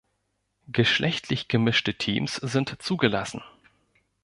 Geschlechtlich gemischte Teams sind zugelassen.